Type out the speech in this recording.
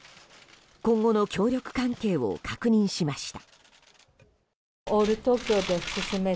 今後の協力関係を確認しました。